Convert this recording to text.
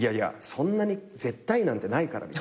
そんなに絶対なんてないからみたいな。